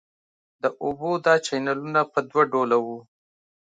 د اوبو دا چینلونه په دوه ډوله وو.